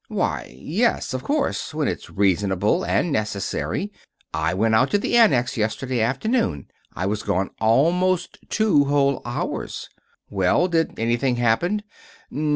"Why, yes, of course, when it's reasonable and necessary. I went out to the Annex yesterday afternoon. I was gone almost two whole hours." "Well, did anything happen?"